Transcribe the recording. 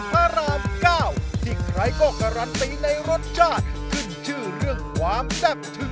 ผมว่ามันมีความสุขดี